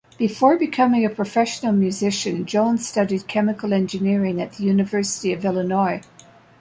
Before becoming a professional musician, Jones studied chemical engineering at the University of Illinois.